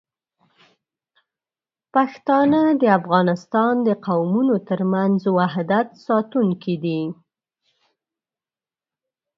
پښتانه د افغانستان د قومونو ترمنځ وحدت ساتونکي دي.